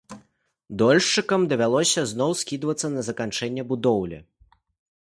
Дольшчыкам давялося зноў скідвацца на заканчэнне будоўлі.